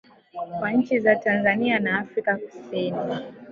kwa nchi za Tanzania na Afrika kusini